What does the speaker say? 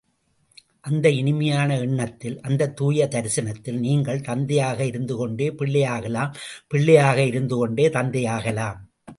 அந்த இனிமையான எண்ணத்தில் அந்தத் தூய தரிசனத்தில் நீங்கள் தந்தையாக இருந்துகொண்டே பிள்ளையாகலாம், பிள்ளையாக இருந்துகொண்டே தந்தையாகலாம்.